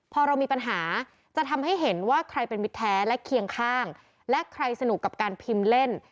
พอเรามีปัญหาจะทำให้เห็นว่าใครเป็นมิตรแท้และเคียงข้างและใครสนุกกับการพิมพ์เล่น